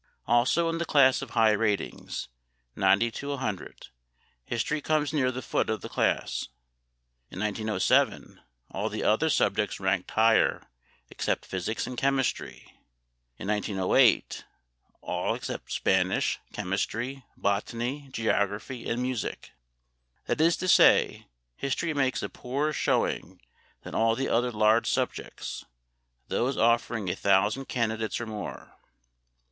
Also in the class of high ratings, 90 100, history comes near the foot of the class; in 1907, all the other subjects ranked higher except physics and chemistry; in 1908, all except Spanish, chemistry, botany, geography and music. That is to say, history makes a poorer showing than all the other large subjects, those offering a thousand candidates or more.